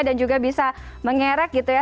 dan juga bisa mengerak gitu ya